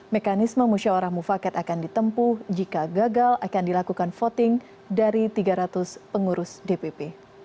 mekanisme musyawarah mufakat akan ditempuh jika gagal akan dilakukan voting dari tiga ratus pengurus dpp